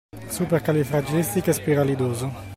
Supercalifragilistichespiralidoso.